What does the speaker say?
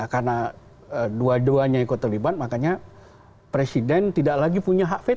karena dua duanya ikut terlibat makanya presiden tidak lagi punya hak veto